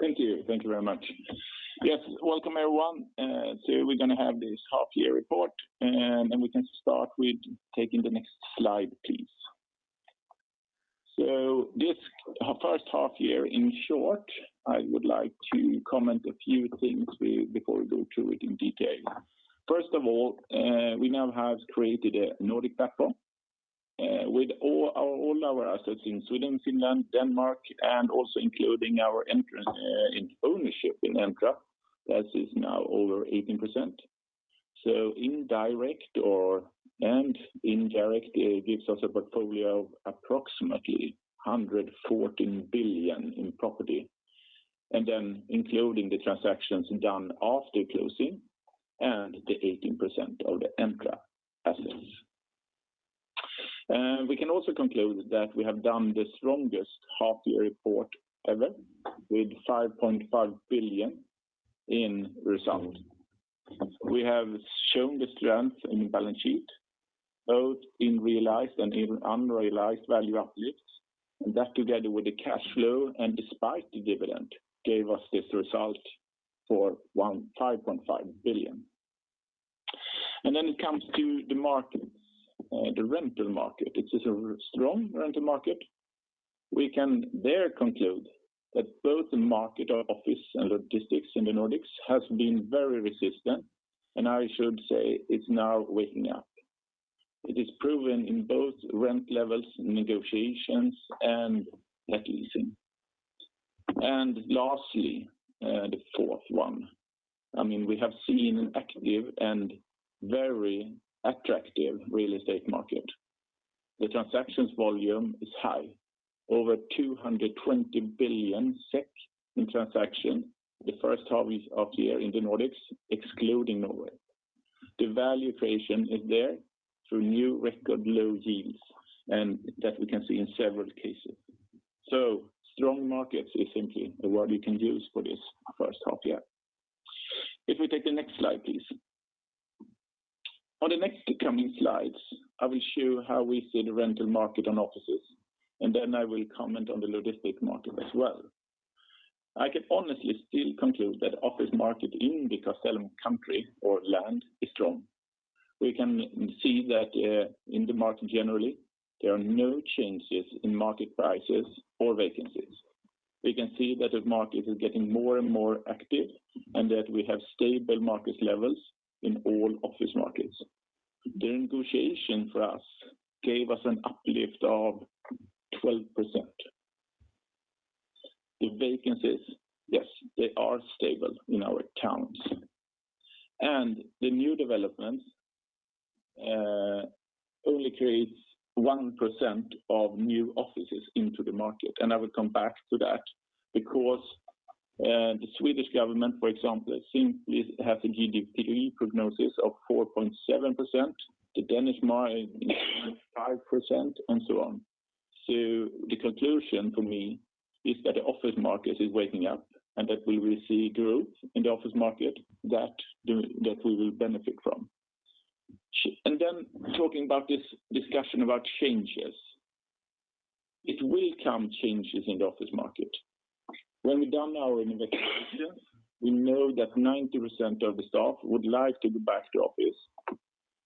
Thank you very much. Yes, welcome, everyone. Today we're going to have this half-year report. We can start with taking the next slide, please. This first half-year in short, I would like to comment a few things before we go through it in detail. First of all, we now have created a Nordic platform with all our assets in Sweden, Finland, Denmark, and also including our interest in ownership in Entra that is now over 18%. In direct or/and indirect, it gives us a portfolio of approximately 114 billion in property. Including the transactions done after closing and the 18% of the Entra assets. We can also conclude that we have done the strongest half-year report ever with 5.5 billion in results. We have shown the strength in the balance sheet, both in realized and in unrealized value uplifts, and that together with the cash flow and despite the dividend, gave us this result for 5.5 billion. Then it comes to the markets, the rental market. It is a strong rental market. We can there conclude that both the market office and logistics in the Nordics has been very resistant, and I should say it's now waking up. It is proven in both rent levels, negotiations, and net leasing. Lastly, the fourth one. We have seen an active and very attractive real estate market. The transactions volume is high, over 220 billion SEK in transaction the first half-year in the Nordics, excluding Norway. The value creation is there through new record low yields. That we can see in several cases. Strong markets is simply the word you can use for this first half-year. If we take the next slide, please. On the next coming slides, I will show how we see the rental market on offices, and then I will comment on the logistic market as well. I can honestly still conclude that office market in the Castellum country or land is strong. We can see that in the market generally, there are no changes in market prices or vacancies. We can see that the market is getting more and more active and that we have stable market levels in all office markets. The negotiation for us gave us an uplift of 12%. The vacancies, yes, they are stable in our accounts. The new developments only creates 1% of new offices into the market. I will come back to that because the Swedish government, for example, simply have a GDP prognosis of 4.7%, the Danish 5%, and so on. The conclusion for me is that the office market is waking up and that we will see growth in the office market that we will benefit from. Talking about this discussion about changes. It will come changes in the office market. When we done our investigation, we know that 90% of the staff would like to be back to office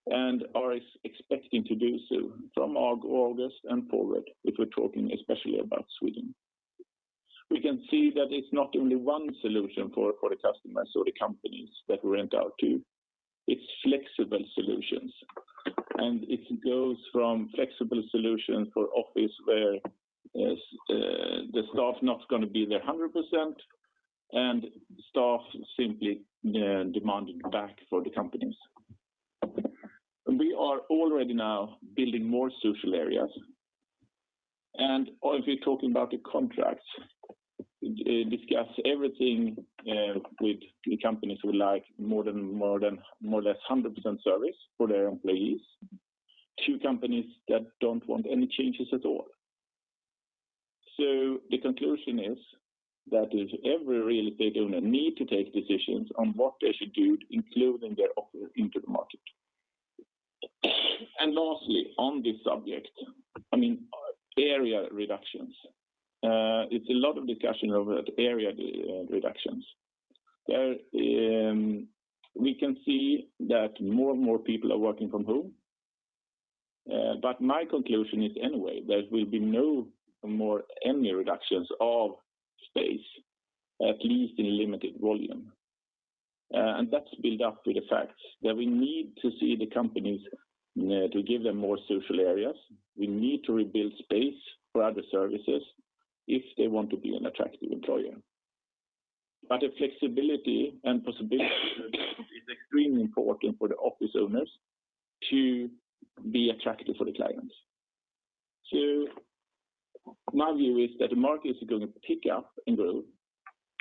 and are expecting to do so from August and forward, if we're talking especially about Sweden. We can see that it's not only one solution for the customers or the companies that we rent out to. It's flexible solutions, it goes from flexible solutions for office where the staff not going to be there 100% and staff simply demanding back for the companies. We are already now building more social areas. If we're talking about the contracts, discuss everything with the companies who like more or less 100% service for their employees to companies that don't want any changes at all. The conclusion is that every real estate owner need to take decisions on what they should do, including their office into the market. Lastly, on this subject, area reductions. It's a lot of discussion over the area reductions. We can see that more and more people are working from home. My conclusion is anyway, there will be no more any reductions of space, at least in limited volume. That's built up with the fact that we need to see the companies to give them more social areas. We need to rebuild space for other services if they want to be an attractive employer. The flexibility and possibility is extremely important for the office owners to be attractive for the clients. My view is that the market is going to pick up and grow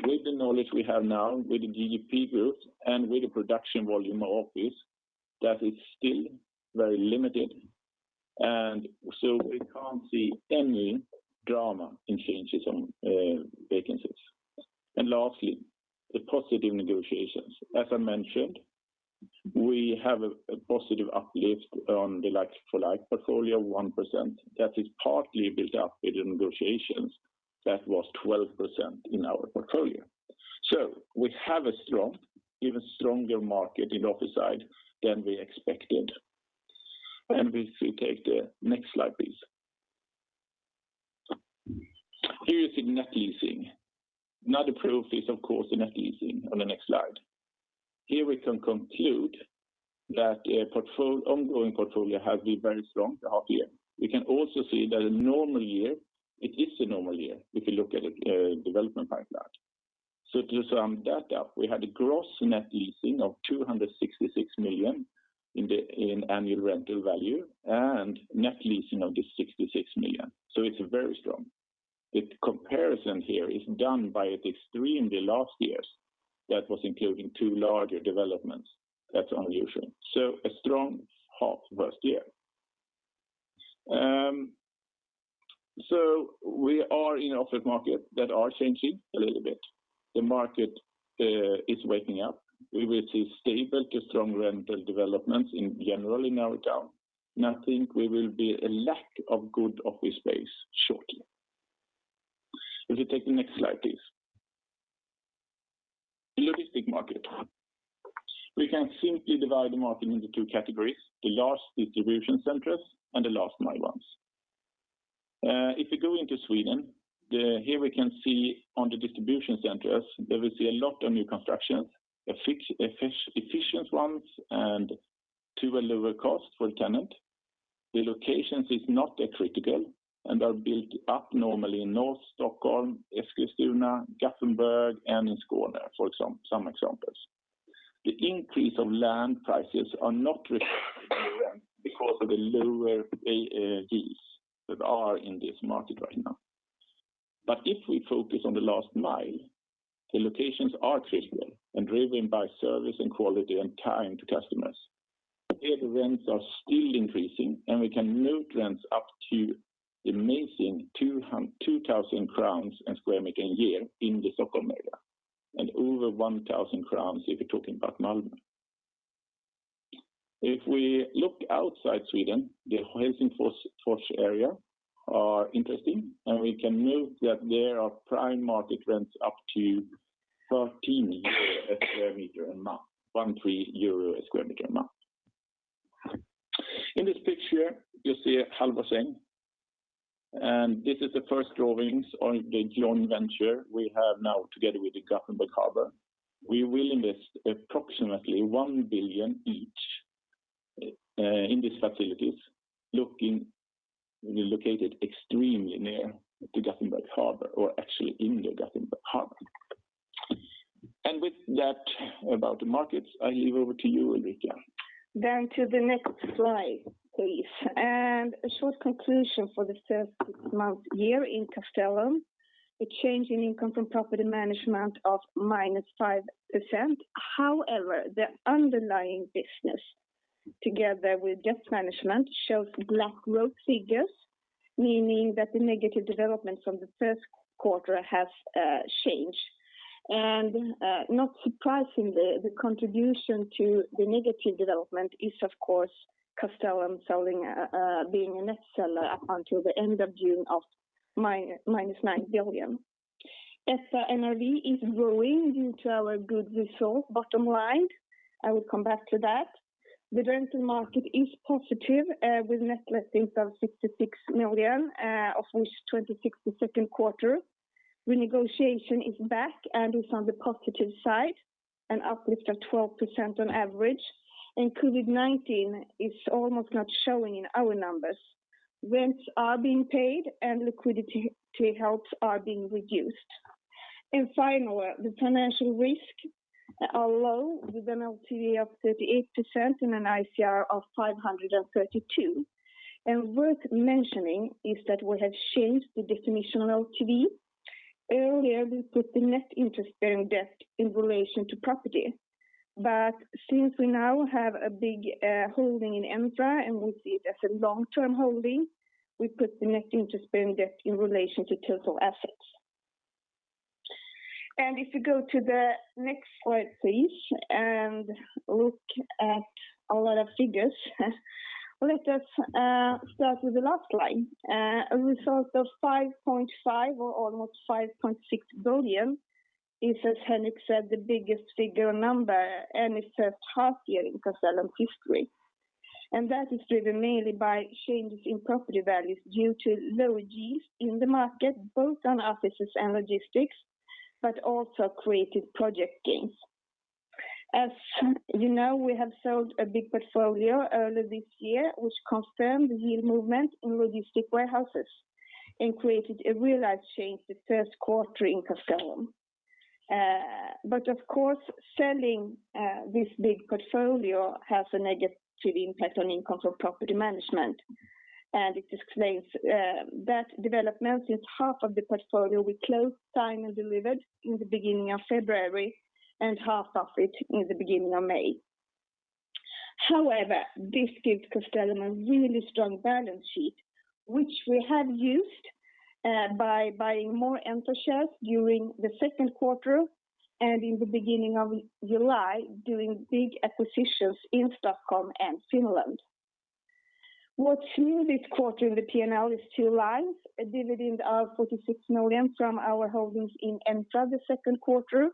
with the knowledge we have now, with the GDP growth and with the production volume of office that is still very limited. We can't see any drama in changes on vacancies. Lastly, the positive negotiations. As I mentionedWe have a positive uplift on the like-for-like portfolio 1%, that is partly built up in negotiations that was 12% in our portfolio. We have a even stronger market in office side than we expected. If we take the next slide, please. Here is the net leasing. Not a surprise, of course, the net leasing on the next slide. Here we can conclude that ongoing portfolio has a very strong half-year. We can also see that a normal year, it is a normal year if you look at the development like that. To sum that up, we had a gross net leasing of 266 million in annual rental value and net leasing of 66 million. It's very strong. The comparison here is done by extremely last years, that was including two larger developments. That's unusual. A strong half first year. We are in office markets that are changing a little bit. The market is waking up. We will see stable to strong rental developments in general in our town. I think there will be a lack of good office space shortly. If you take the next slide, please. Logistics market. We can simply divide the market into two categories, the large distribution centers and the last-mile ones. If you go into Sweden, here we can see on the distribution centers, there is a lot of new construction, efficient ones and to a lower cost for tenant. The locations is not that critical and are built up normally in North Stockholm, Eskilstuna, Gothenburg, and in Skåne, for some examples. The increase of land prices are not reflected in the rent because of the lower values that are in this market right now. If we focus on the last mile, the locations are critical and driven by service and quality and time to customers. Here the rents are still increasing, we can note rents up to amazing 2,000 crowns a sq m a year in the Stockholm area, and over 1,000 crowns if you're talking about Malmo. If we look outside Sweden, the Helsingfors area are interesting, we can note that there are prime market rents up to 13 euro a sq m a month. In this picture, you see Halvorsäng, this is the first drawings on the joint venture we have now together with the Port of Gothenburg. We will invest approximately 1 billion each in these facilities, located extremely near the Port of Gothenburg or actually in the Port of Gothenburg. With that about the markets, I leave over to you, Ulrika. To the next slide, please. A short conclusion for the first six-month year in Castellum, a change in income from property management of -5%. However, the underlying business together with just management shows black figures, meaning that the negative developments on the first quarter have changed. Not surprisingly, the contribution to the negative development is, of course, Castellum being a net seller until the end of June of -9 billion. ESSA Energy is growing into our good result bottom line. I will come back to that. The rental market is positive with net lettings of 66 million, of which 26 million the second quarter. Renegotiation is back and is on the positive side, an uplift of 12% on average. COVID-19 is almost not showing in our numbers. Rents are being paid and liquidity helps are being reduced. Finally, the financial risks are low with an LTV of 38% and an ICR of 532. Worth mentioning is that we have changed the definition of LTV. Earlier, we put the net interest bearing debt in relation to property. But since we now have a big holding in Entra, and we see it as a long-term holding, we put the net interest bearing debt in relation to total assets. If you go to the next slide, please, and look at a lot of figures. Let us start with the last slide. A result of 5.5 billion or almost 5.6 billion is, as Henrik said, the biggest figure number any first half year in Castellum history. That is driven mainly by changes in property values due to low yields in the market, both on offices and logistics, but also creative project gains. As you know, we have sold a big portfolio earlier this year, which confirmed the yield movement in logistic warehouses and created a realized change the first quarter in Castellum. Of course, selling this big portfolio has a negative impact on income from property management. It explains that development is half of the portfolio we closed, signed, and delivered in the beginning of February and half of it in the beginning of May. However, this gives Castellum a really strong balance sheet, which we have used by buying more Entra shares during the second quarter and in the beginning of July, doing big acquisitions in Stockholm and Finland. What's new this quarter in the P&L is two lines, a dividend of 46 million from our holdings in Entra the second quarter,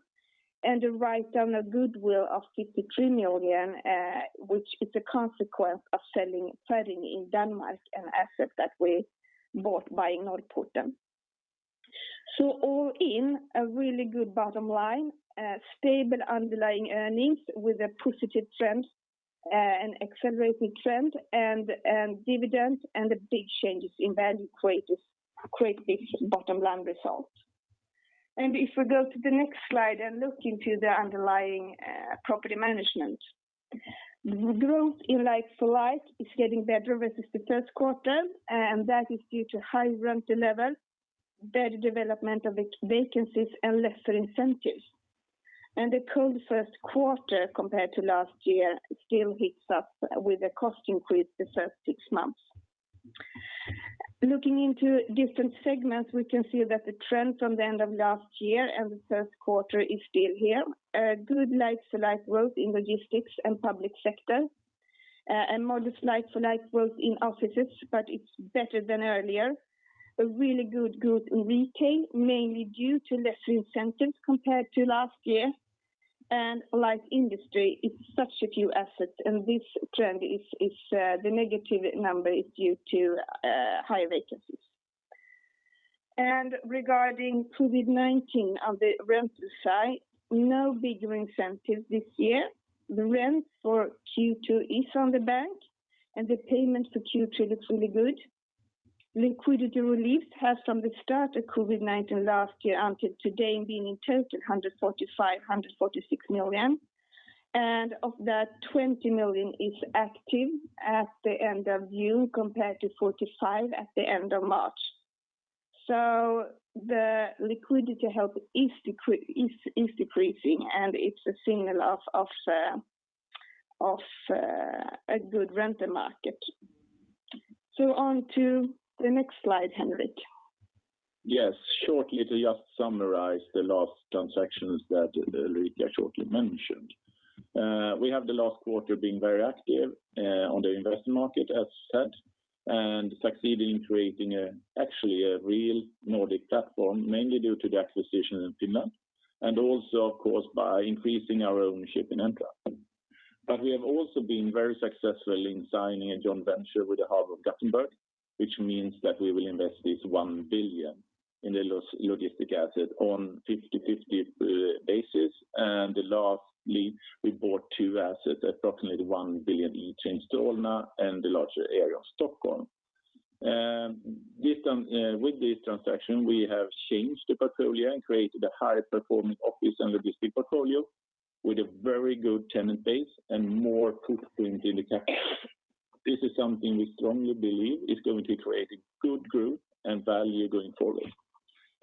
a write-down of goodwill of 53 million, which is a consequence of selling in Denmark an asset that we bought buying Norrporten. All in, a really good bottom line, stable underlying earnings with a positive trend, an accelerated trend, dividend and the big changes in value create this bottom-line result. If we go to the next slide and look into the underlying property management. The growth in like-for-like is getting better versus the first quarter, that is due to high rental levels, better development of vacancies, and lesser incentives. The cold first quarter compared to last year still hits us with a cost increase the first six months. Looking into different segments, we can see that the trend from the end of last year and the first quarter is still here. Good like-for-like growth in logistics and public sector, modest like-for-like growth in offices, but it's better than earlier. A really good growth in retail, mainly due to lesser incentives compared to last year. Like industry, it's such a few assets, and the negative number is due to high vacancies. Regarding COVID-19 on the rental side, no bigger incentives this year. The rent for Q2 is on the bank, and the payment for Q2 looks really good. Liquidity relief has from the start of COVID-19 last year until today been in total 145 million, SEK 146 million. Of that, 20 million is active at the end of June, compared to 45 million at the end of March. The liquidity help is decreasing, and it's a signal of a good rental market. On to the next slide, Henrik. Yes. Shortly to just summarize the last transactions that Ulrika shortly mentioned. We have the last quarter being very active on the investment market, as said, and succeeding in creating actually a real Nordic platform, mainly due to the acquisition in Finland, and also, of course, by increasing our ownership in Entra. We have also been very successful in signing a joint venture with the Port of Gothenburg, which means that we will invest this 1 billion in the logistics asset on 50/50 basis. Lastly, we bought two assets, approximately 1 billion each, in Solna and the larger area of Stockholm. With this transaction, we have changed the portfolio and created a high-performing office and logistics portfolio with a very good tenant base and more footprint in the capital. This is something we strongly believe is going to create a good growth and value going forward.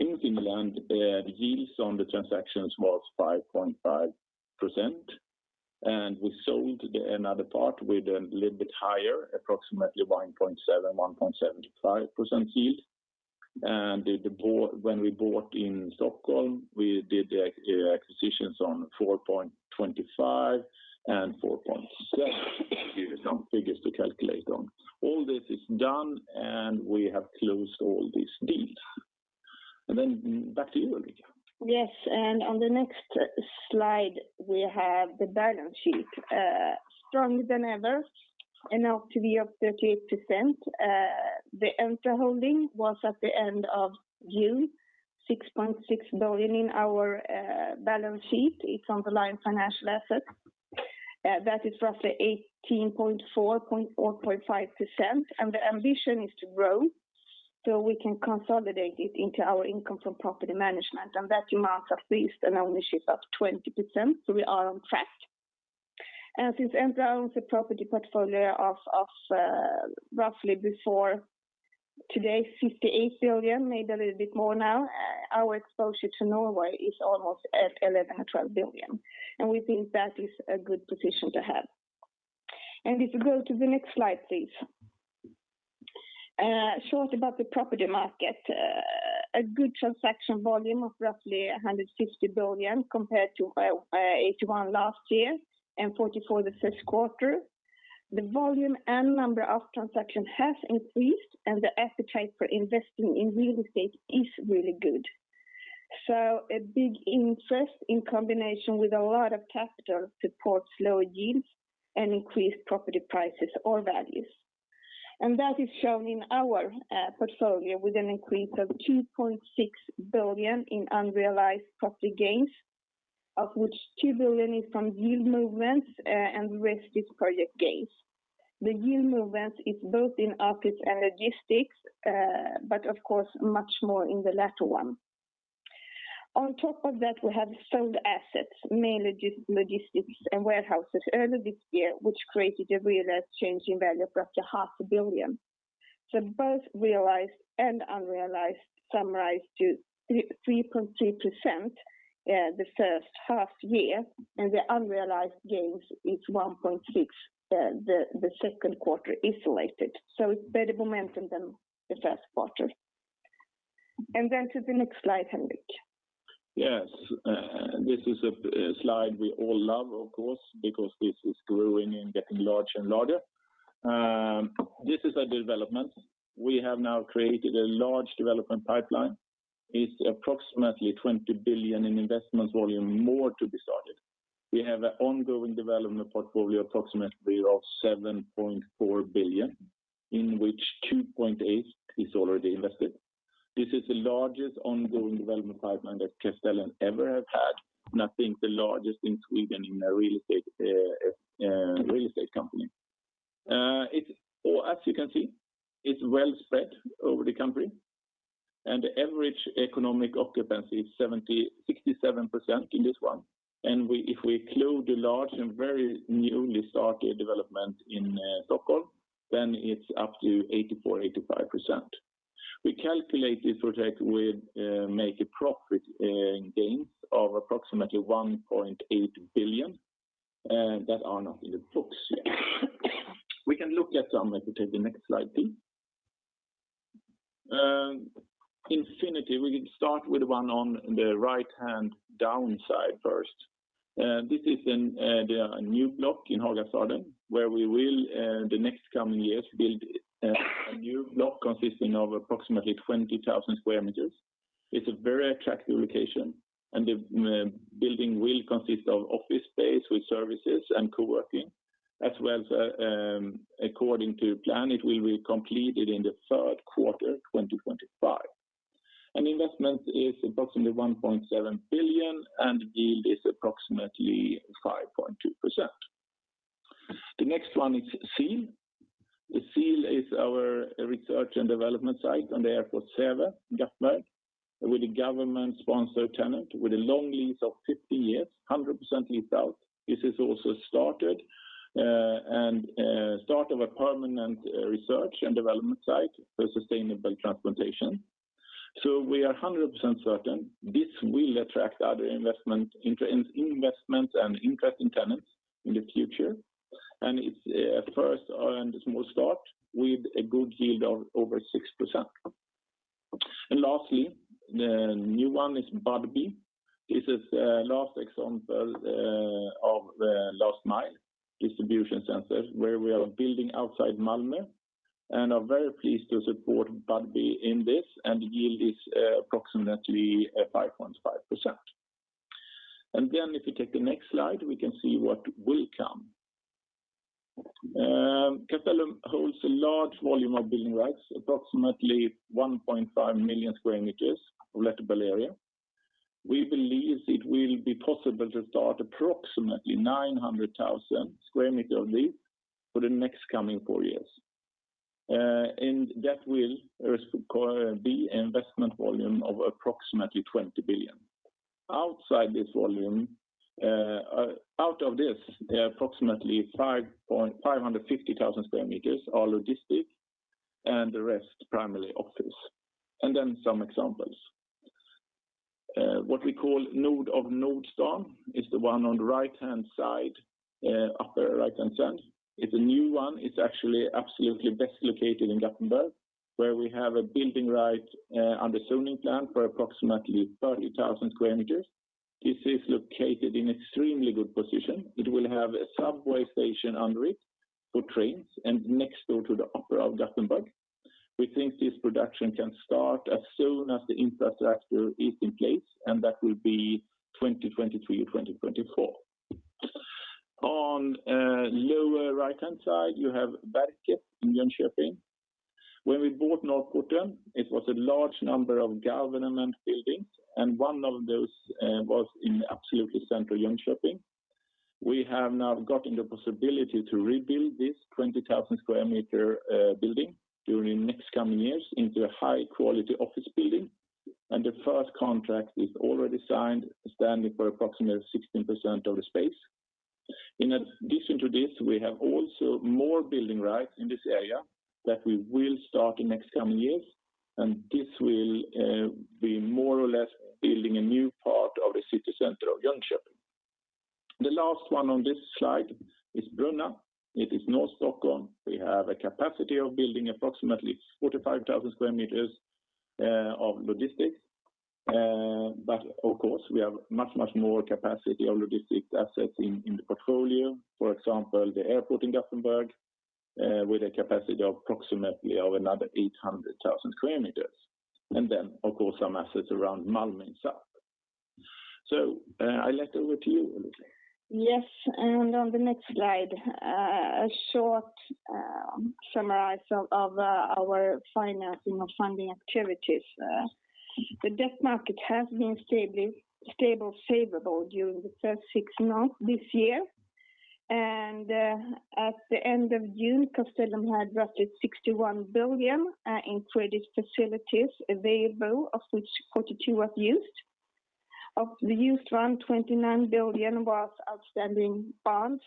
In Finland, the yields on the transactions was 5.5%, and we sold another part with a little bit higher, approximately 1.7%-1.75% yield. When we bought in Stockholm, we did the acquisitions on 4.25% and 4.7%. Some figures to calculate on. All this is done, and we have closed all these deals. Then back to you, Ulrika. Yes, on the next slide, we have the balance sheet. Stronger than ever and up to be of 38%. The Entra holding was, at the end of June, 6.6 billion in our balance sheet. It's on the line "Financial assets." That is roughly 18.4% or 0.5%. The ambition is to grow so we can consolidate it into our income from property management. That amounts at least an ownership of 20%. We are on track. Since Entra owns a property portfolio of roughly, before today, 58 billion, maybe a little bit more now, our exposure to Norway is almost at 11 billion or 12 billion. We think that is a good position to have. If we go to the next slide, please. Shortly about the property market. A good transaction volume of roughly 150 billion compared to 81 billion last year and 44 billion the first quarter. The volume and number of transactions has increased, and the appetite for investing in real estate is really good. A big interest in combination with a lot of capital supports lower yields and increased property prices or values. That is shown in our portfolio with an increase of 2.6 billion in unrealized property gains, of which 2 billion is from yield movements and the rest is project gains. The yield movements is both in office and logistics, but of course, much more in the latter one. On top of that, we have sold assets, mainly logistics and warehouses, early this year, which created a realized change in value of roughly 500 million. Both realized and unrealized summarized to 3.3% the first half year, and the unrealized gains is 1.6% the second quarter isolated. It's better momentum than the first quarter. To the next slide, Henrik. Yes. This is a slide we all love, of course, because this is growing and getting larger and larger. This is a development. We have now created a large development pipeline. It's approximately 20 billion in investments volume more to be started. We have an ongoing development portfolio approximately of 7.4 billion, in which 2.8 billion is already invested. This is the largest ongoing development pipeline that Castellum ever have had, and I think the largest in Sweden in a real estate company. As you can see, it's well spread over the country, and the average economic occupancy is 67% in this one. If we include the large and very newly started development in Stockholm, then it's up to 84%, 85%. We calculate this project will make a profit in gains of approximately 1.8 billion that are not in the books yet. We can look at some. If you take the next slide, please. Infinity, we can start with the one on the right-hand downside first. This is the new block in Hagastaden, where we will, the next coming years, build a new block consisting of approximately 20,000 sq m. It's a very attractive location, and the building will consist of office space with services and co-working. According to plan, it will be completed in the third quarter 2025. Investment is approximately 1.7 billion, and yield is approximately 5.2%. The next one is SEEL. The SEEL is our research and development site on the Säve Airport, Gothenburg, with a government-sponsored tenant with a long lease of 50 years, 100% leased out. This is also start of a permanent research and development site for sustainable transportation. We are 100% certain this will attract other investments and interest in tenants in the future. It's a first and a small start with a good yield of over 6%. Lastly, the new one is Budbee. This is last example of the last mile distribution centers, where we are building outside Malmö and are very pleased to support Budbee in this, and the yield is approximately 5.5%. If you take the next slide, we can see what will come. Castellum holds a large volume of building rights, approximately 1.5 million sq m of lettable area. We believe it will be possible to start approximately 900,000 sq m of this for the next coming four years. That will require the investment volume of approximately 20 billion. Out of this, approximately 550,000 sq m are logistic and the rest primarily office. Some examples. What we call Node of Nordstan is the one on the right-hand side, upper right-hand side. It's a new one. It's actually absolutely best located in Gothenburg, where we have a building right on the zoning plan for approximately 30,000 sq m. This is located in extremely good position. It will have a subway station under it for trains and next door to the Opera of Gothenburg. We think this production can start as soon as the infrastructure is in place, and that will be 2023 or 2024. On lower right-hand side, you have Berget in Jönköping. When we bought Norrporten, it was a large number of government buildings, and one of those was in absolutely central Jönköping. We have now gotten the possibility to rebuild this 20,000 sq m building during next coming years into a high-quality office building, and the first contract is already signed, standing for approximately 16% of the space. In addition to this, we have also more building rights in this area that we will start in next coming years. This will be more or less building a new part of the city center of Jönköping. The last one on this slide is Brunna. It is North Stockholm. We have a capacity of building approximately 45,000 sq m of logistics. Of course, we have much more capacity of logistics assets in the portfolio. For example, the airport in Gothenburg, with a capacity approximately of another 800,000 sq m. Then, of course, some assets around Malmö in south. I let over to you, Ulrika. Yes. On the next slide, a short summarized of our funding activities. The debt market has been stable favorable during the first six months this year. At the end of June, Castellum had roughly 61 billion in credit facilities available, of which 42 billion was used. Of the used loan, 29 billion was outstanding bonds,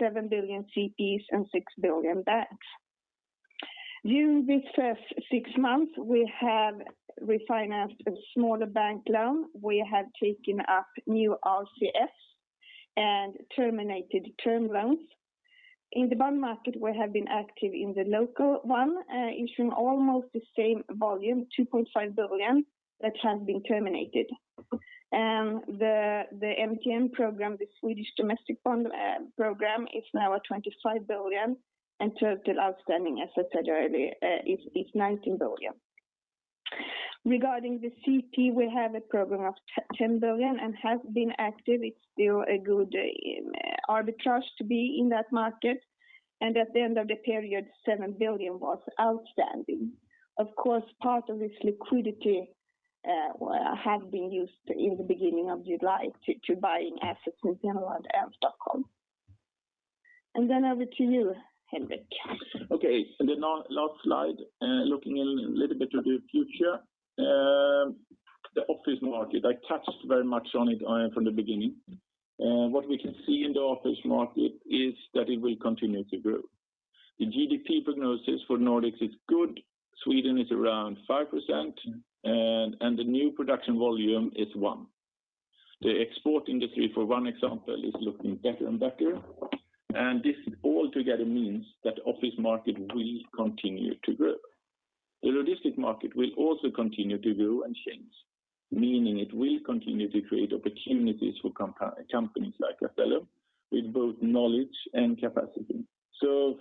7 billion CPs, and 6 billion debts. During this first six months, we have refinanced a smaller bank loan. We have taken up new RCFs and terminated term loans. In the bond market, we have been active in the local one, issuing almost the same volume, 2.5 billion, that has been terminated. The MTN program, the Swedish domestic bond program, is now at 25 billion, and total outstanding, as I said earlier, is 19 billion. Regarding the CP, we have a program of 10 billion and have been active. It's still a good arbitrage to be in that market. At the end of the period, 7 billion was outstanding. Of course, part of this liquidity has been used in the beginning of July to buying assets in Finland and Stockholm. Then over to you, Henrik. Okay, the last slide, looking a little bit to the future. The office market, I touched very much on it from the beginning. What we can see in the office market is that it will continue to grow. The GDP prognosis for Nordics is good. Sweden is around 5%, and the new production volume is one. The export industry, for one example, is looking better and better. This altogether means that office market will continue to grow. The logistic market will also continue to grow and change, meaning it will continue to create opportunities for companies like Castellum with both knowledge and capacity.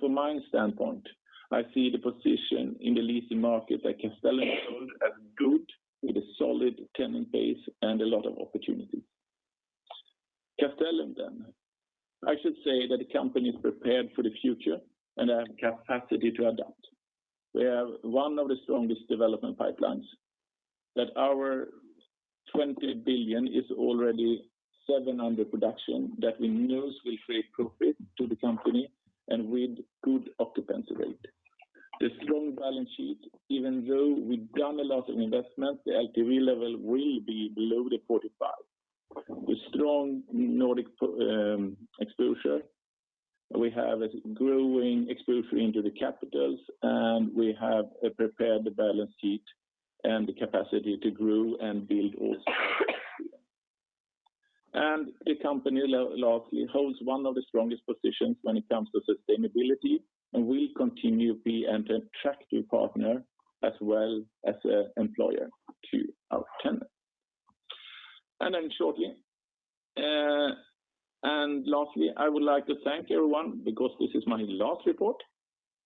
From my standpoint, I see the position in the leasing market that Castellum holds as good, with a solid tenant base and a lot of opportunities. Castellum. I should say that the company is prepared for the future and has capacity to adapt. We have one of the strongest development pipelines, that our 20 billion is already seven under production that we know will create profit to the company and with good occupancy rate. The strong balance sheet, even though we've done a lot of investments, the LTV level will be below 45%. Strong Nordic exposure, we have a growing exposure into the capitals, we have prepared the balance sheet and the capacity to grow and build also next year. The company largely holds one of the strongest positions when it comes to sustainability and will continue to be an attractive partner as well as an employer to our tenants. Shortly. Lastly, I would like to thank everyone because this is my last report.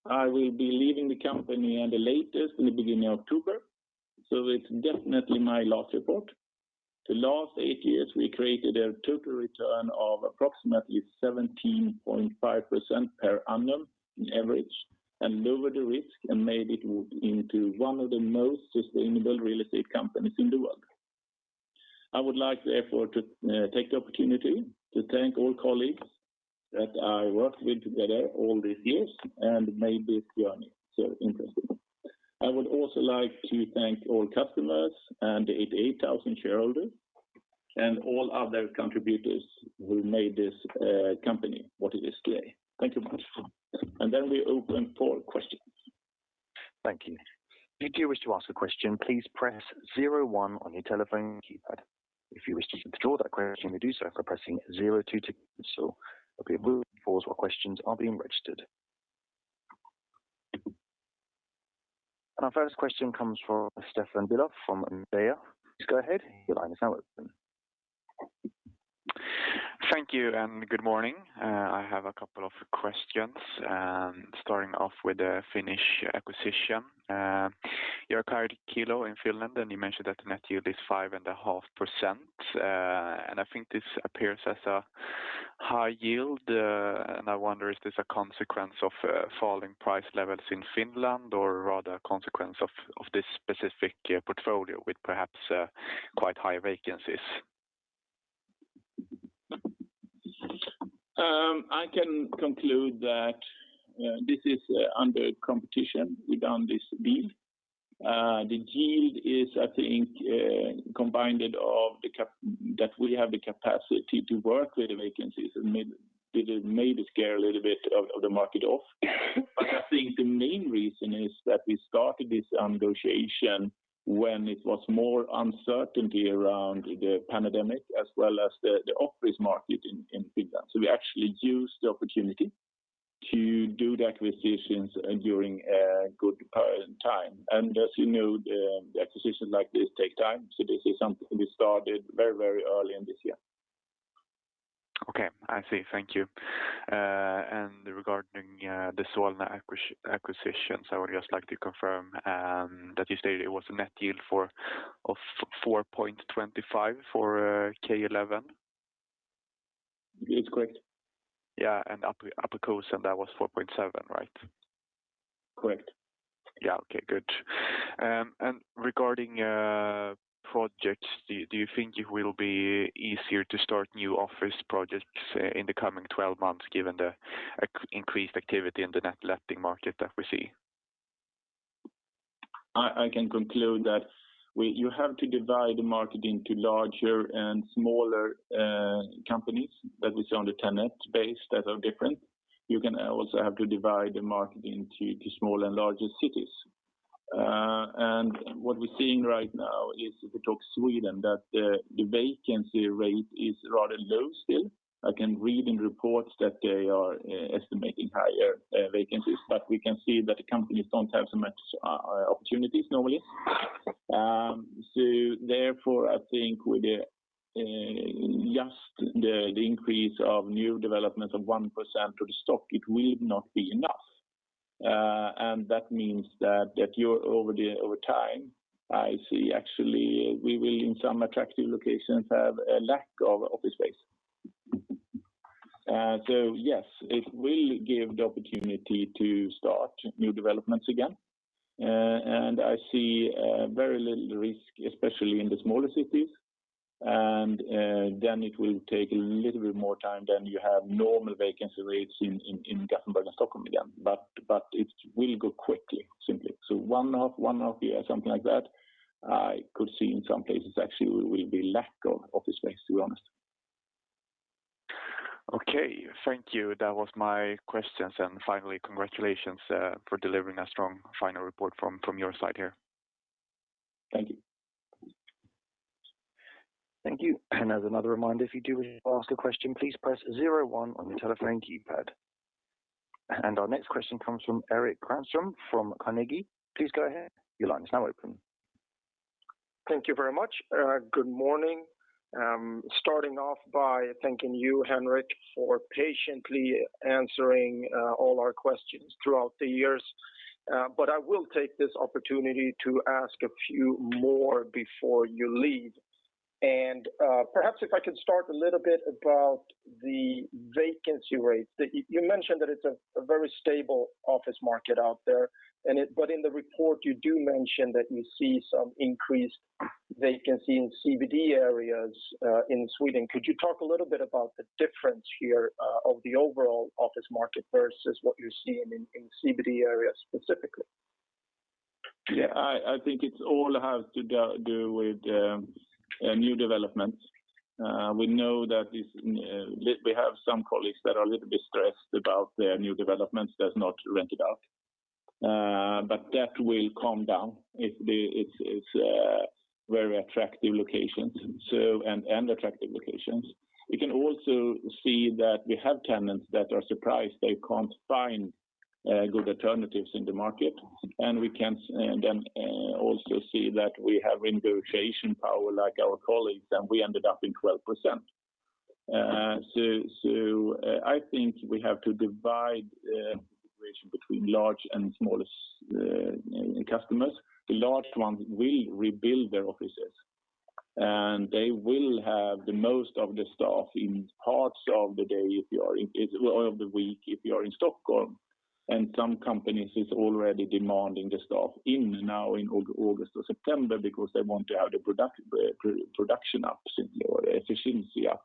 I will be leaving the company on the latest in the beginning of October. It's definitely my last report. The last eight years, we created a total return of approximately 17.5% per annum on average, and lowered the risk and made it into one of the most sustainable real estate companies in the world. I would like, therefore, to take the opportunity to thank all colleagues that I worked with together all these years and made this journey so interesting. I would also like to thank all customers and the 88,000 shareholders and all other contributors who made this company what it is today. Thank you much. We open for questions. Thank you. If you wish to ask a question, please press zero one on your telephone keypad. If you wish to withdraw that question, you do so by pressing zero two. We'll be moving forward while questions are being registered. Our first question comes from Stefan Billup from DNB. Go ahead, your line is now open. Thank you. Good morning. I have a couple of questions, starting off with the Finnish acquisition. You acquired Kielo in Finland, and you mentioned that net yield is 5.5%. I think this appears as a high yield, and I wonder is this a consequence of falling price levels in Finland or rather a consequence of this specific portfolio with perhaps quite high vacancies? I can conclude that this is under competition we've done this deal. The yield is, I think, combined that we have the capacity to work with the vacancies. Billup made it scare a little bit of the market off. I think the main reason is that we started this negotiation when it was more uncertainty around the pandemic as well as the office market in Finland. We actually used the opportunity to do the acquisitions during a good time. As you know, the acquisitions like this take time. This is something we started very early in this year. Okay. I see. Thank you. Regarding the Solna acquisitions, I would just like to confirm that you say there was a net yield of 4.25 for K11? That is correct. Yeah. Apoteket, that was 4.7, right? Correct. Yeah. Okay, good. Regarding projects, do you think it will be easier to start new office projects in the coming 12 months given the increased activity in the letting market that we see? I can conclude that you have to divide the market into larger and smaller companies that we see on the tenant base that are different. You can also have to divide the market into small and larger cities. What we're seeing right now is, if we talk Sweden, that the vacancy rate is rather low still. I can read in reports that they are estimating higher vacancies, but we can see that the companies don't have so much opportunities normally. Therefore, I think with just the increase of new developments of 1% of the stock, it will not be enough. That means that over time, I see actually we will, in some attractive locations, have a lack of office space. Yes, it will give the opportunity to start new developments again. I see very little risk, especially in the smaller cities. It will take a little bit more time than you have normal vacancy rates in Gothenburg and Stockholm again. It will go quickly, simply. 1.5 years, something like that, I could see in some places actually will be lack of office space, to be honest. Okay. Thank you. That was my questions. Finally, congratulations for delivering a strong final report from your side here. Thank you. Thank you. As another reminder, if you do wish to ask a question, please press zero one on your telephone keypad. Our next question comes from Erik Granström from Carnegie. Please go ahead. Your line is now open. Thank you very much. Good morning. Starting off by thanking you, Henrik, for patiently answering all our questions throughout the years. I will take this opportunity to ask a few more before you leave. Perhaps if I could start a little bit about the vacancy rates. You mentioned that it's a very stable office market out there, but in the report, you do mention that you see some increased vacancy in CBD areas in Sweden. Could you talk a little bit about the difference here of the overall office market versus what you're seeing in CBD areas specifically? Yeah. I think it all has to do with new developments. We know that we have some colleagues that are a little bit stressed about their new developments that are not rented out. That will calm down. It's very attractive locations. We can also see that we have tenants that are surprised they can't find good alternatives in the market. We can then also see that we have negotiation power like our colleagues, and we ended up in 12%. I think we have to divide the negotiation between large and small customers. The large ones will rebuild their offices, and they will have the most of the staff in parts of the day or of the week if you are in Stockholm. Some companies is already demanding the staff in now in August or September because they want to have the production up simply, or efficiency up.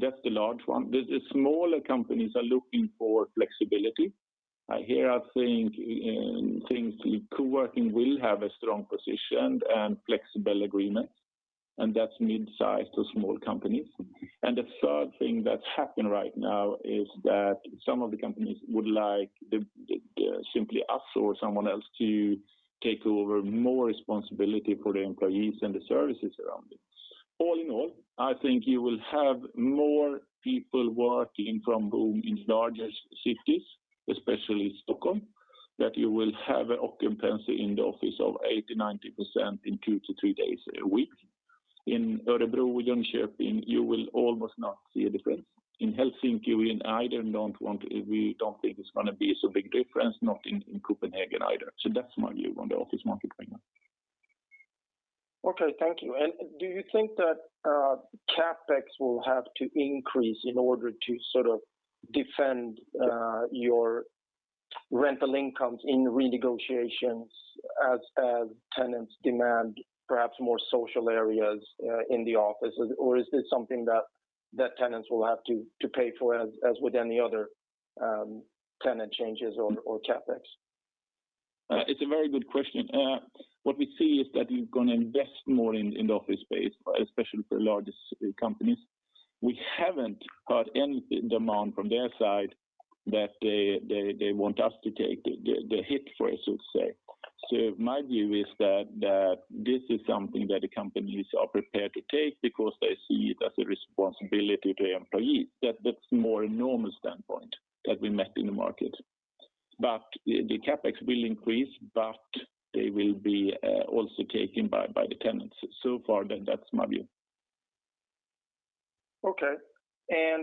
That's the large one. The smaller companies are looking for flexibility. Here, I think co-working will have a strong position and flexible agreements, and that's mid-size to small companies. The third thing that's happened right now is that some of the companies would like simply us or someone else to take over more responsibility for the employees and the services around it. All in all, I think you will have more people working from home in larger cities, especially Stockholm, that you will have an occupancy in the office of 80%-90% in two to three days a week. In Örebro, Jönköping, you will almost not see a difference. In Helsinki, we don't think it's going to be so big difference, not in Copenhagen either. That's my view on the office market right now. Okay, thank you. Do you think that CapEx will have to increase in order to defend your rental incomes in renegotiations as tenants demand perhaps more social areas in the office? Is this something that tenants will have to pay for as with any other tenant changes or CapEx? It's a very good question. What we see is that you're going to invest more in the office space, especially for larger companies. We haven't got any demand from their side that they want us to take the hit for, so to say. My view is that this is something that the companies are prepared to take because they see it as a responsibility to the employees. That's more a normal standpoint that we met in the market. The CapEx will increase, but they will be also taken by the tenants. Far, then that's my view. Okay.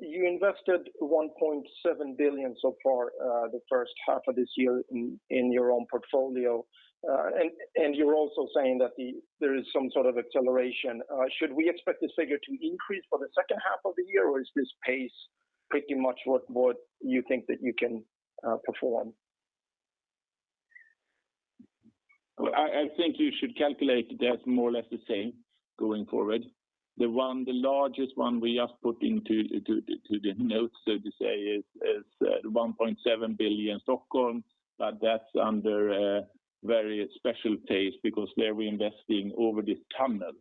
You invested 1.7 billion so far the first half of this year in your own portfolio. You're also saying that there is some sort of acceleration. Should we expect this figure to increase for the second half of the year, or is this pace pretty much what you think that you can perform? I think you should calculate that more or less the same going forward. The largest one we just put into the notes, so to say, is 1.7 billion Stockholm, but that's under a very special case because they're investing over this tunnel,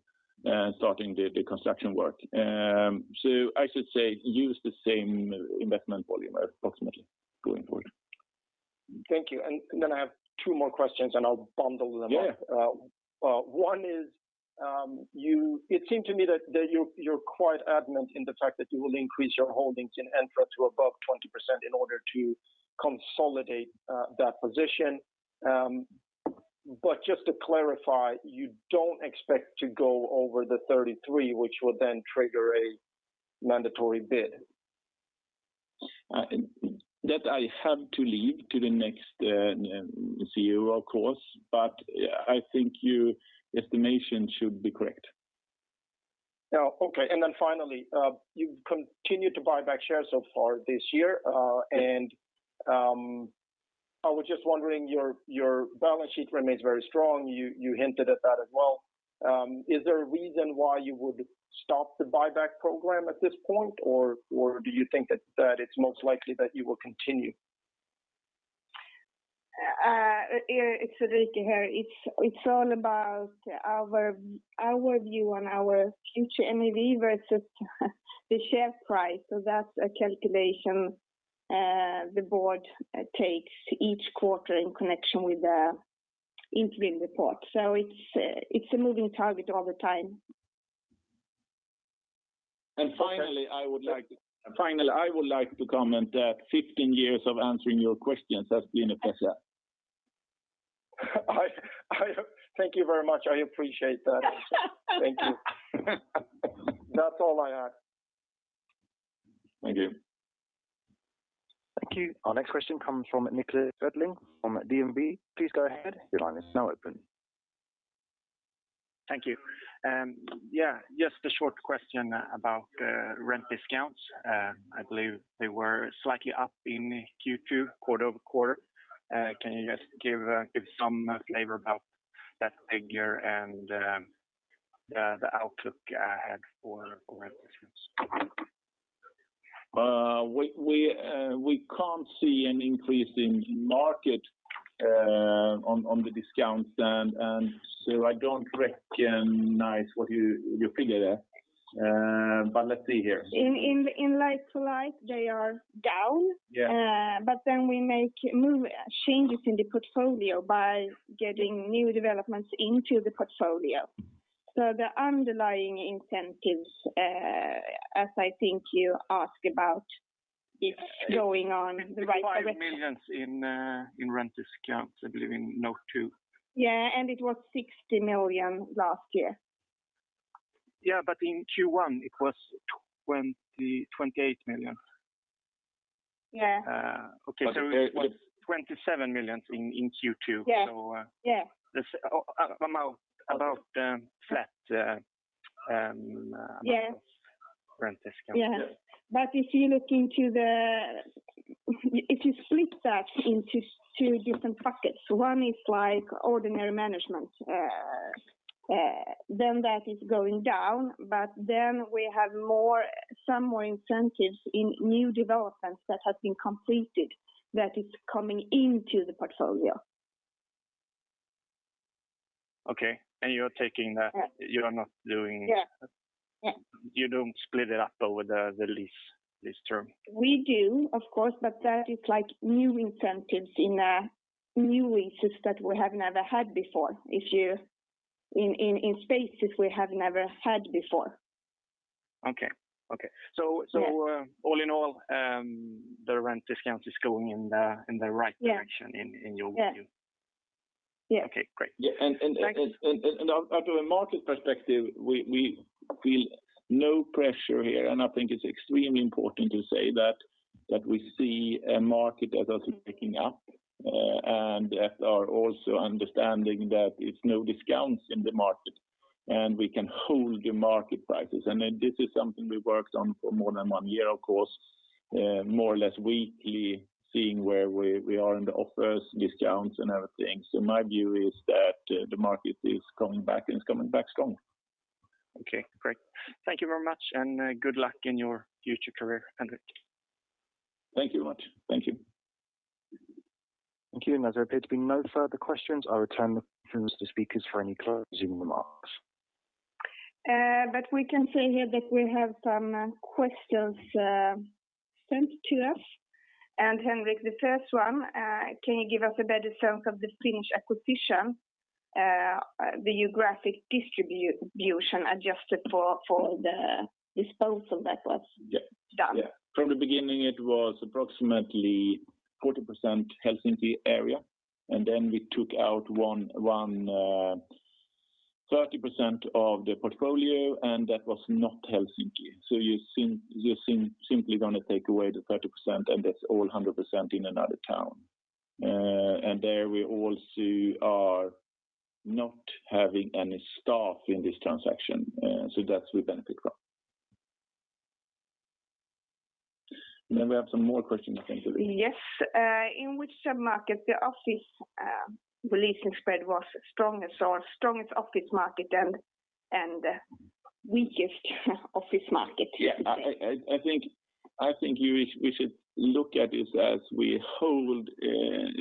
starting the construction work. I should say use the same investment volume approximately going forward. Thank you. Then I have two more questions and I’ll bundle them up. Yeah. One is, it seems to me that you're quite adamant in the fact that you will increase your holdings in Entra to above 20% in order to consolidate that position. Just to clarify, you don't expect to go over the 33%, which will then trigger a mandatory bid? That I have to leave to the next CEO, of course, but I think your estimation should be correct. Okay. Finally, you've continued to buy back shares so far this year. I was just wondering, your balance sheet remains very strong. You hinted at that as well. Is there a reason why you would stop the buyback program at this point, or do you think that it's most likely that you will continue? It's all about our view on our into NAV versus the share price. That's a calculation the board takes each quarter in connection with the interim report. It's a moving target all the time. Finally, I would like to comment that 15 years of answering your questions has been a pleasure. Thank you very much. I appreciate that. Thank you. That's all I have. Thank you. Thank you. Our next question comes from Niklas Ödling from DNB. Thank you. Yeah, just a short question about rent discounts. I believe they were slightly up in Q2 quarter-over-quarter. Can you just give some flavor about that figure and the outlook ahead for rent discounts? We can't see an increase in market on the discounts. I don't recognize your figure there. Let's see here. In like-for-like they are down. Yeah. We make changes in the portfolio by getting new developments into the portfolio. The underlying incentives, as I think you ask about, is going on. It's 25 million in rent discounts, I believe, in note two. Yeah, it was 60 million last year. Yeah, in Q1 it was 28 million. Yeah. Okay, it was 27 million in Q2. Yeah. About flat. Yes. Rent discounts. Yeah. If you split that into two different buckets, one is ordinary management, then that is going down. We have some more incentives in new developments that have been completed that is coming into the portfolio. Okay. You're taking that. Yeah. You don't split it up over the lease term. We do, of course, but that is like new incentives in new leases that we have never had before, in spaces we have never had before. Okay. All in all, the rent discount is going in the right direction in your view? Yeah. Okay, great. Thank you. Out of a market perspective, we feel no pressure here, and I think it's extremely important to say that we see a market that is picking up, and that are also understanding that it's no discounts in the market, and we can hold the market practice. This is something we worked on for more than one year, of course, more or less weekly, seeing where we are in the offers, discounts, and everything. My view is that the market is coming back and it's coming back strong. Okay, great. Thank you very much and good luck in your future career, Henrik. Thank you very much. Thank you. Thank you. As there are no further questions, our time with the speakers for any closing remarks. We can say here that we have some questions sent to us. Henrik, the first one, can you give us a better sense of the Finnish acquisition, the geographic distribution adjusted for the disposal that was done? Yeah. From the beginning it was approximately 40% Helsinki area, and then we took out 30% of the portfolio, and that was not Helsinki. You're simply going to take away the 30%, and that's all 100% in another town. There we also are not having any staff in this transaction. That's with Entra. Then we have some more questions I think to read. Yes. In which sub-market the office leasing spread was strongest? Our strongest office market and weakest office market. Yeah. I think we should look at this as we hold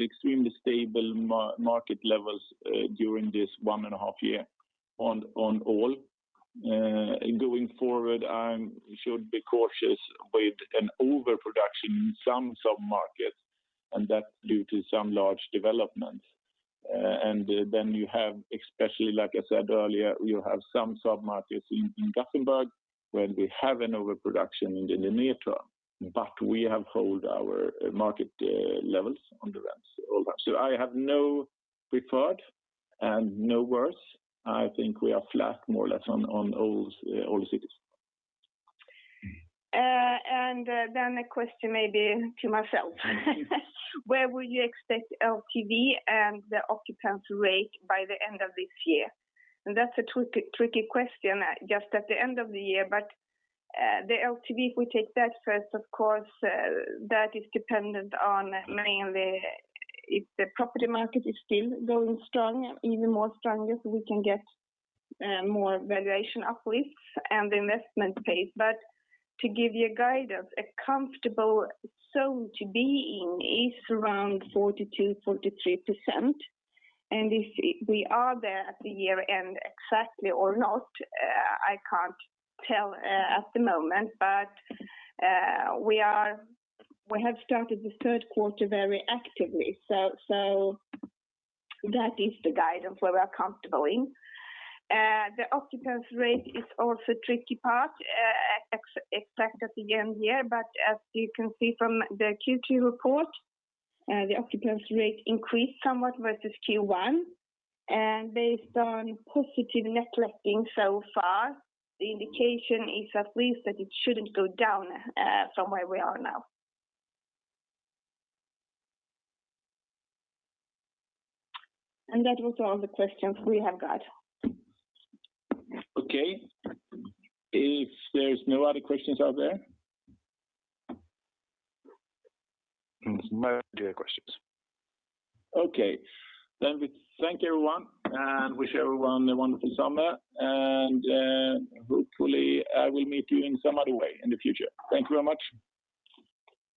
extremely stable market levels during this 1.5 year on all. Going forward, I should be cautious with an overproduction in some sub-markets, that due to some large developments. Then you have, especially like I said earlier, you have some sub-markets in Gothenburg where we have an overproduction in the near-term, but we have held our market levels on the rents all time. I have no preferred and no worse. I think we are flat more or less on all the cities. Then a question maybe to myself. Where will you expect LTV and the occupancy rate by the end of this year? That's a tricky question just at the end of the year. The LTV, if we take that first, of course, that is dependent on mainly if the property market is still going strong, even more stronger, so we can get more valuation uplifts and investment pace. To give you a guidance, a comfortable zone to be in is around 42%-43%. If we are there at the year-end exactly or not, I can't tell at the moment. We have started the third quarter very actively. That is the guidance where we are comfortable in. The occupancy rate is also a tricky part, expect at the end of the year. As you can see from the Q2 report, the occupancy rate increased somewhat versus Q1. Based on positive net letting so far, the indication is at least that it shouldn't go down from where we are now. That was all the questions we have got. Okay. If there's no other questions out there? There's no other questions. Okay. We thank everyone and wish everyone a wonderful summer. Hopefully I will meet you in some other way in the future. Thank you very much.